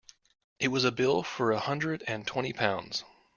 It was a bill for a hundred and twenty pounds.